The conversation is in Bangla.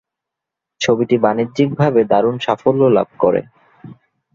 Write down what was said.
ছবিটি বাণিজ্যিক ভাবে দারুণ সাফল্য লাভ করে।